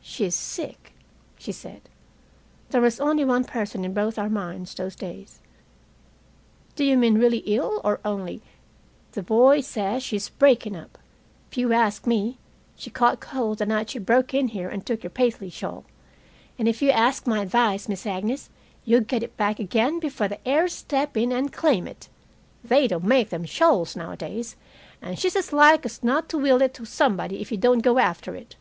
"She's sick," she said. There was only one person in both our minds those days. "Do you mean really ill, or only " "The boy says she's breaking up. If you ask me, she caught cold the night she broke in here and took your Paisley shawl. And if you ask my advice, Miss Agnes, you'll get it back again before the heirs step in and claim it. They don't make them shawls nowadays, and she's as like as not to will it to somebody if you don't go after it."